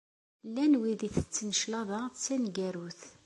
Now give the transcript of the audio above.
Llan wid itetten cclaḍa d taneggarut.